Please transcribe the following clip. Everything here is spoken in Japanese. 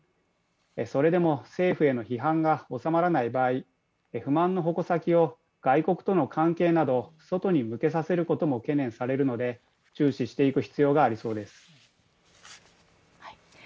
それでも政府への批判が収まらない場合、不満の矛先を外国との関係など外に向けさせることも懸念されるので注視していく必要がありそうです。